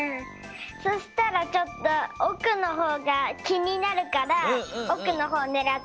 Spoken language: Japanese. そしたらちょっとおくのほうがきになるからおくのほうねらってみた。